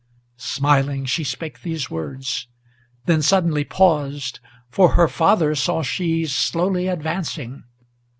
Smiling she spake these words; then suddenly paused, for her father Saw she slowly advancing.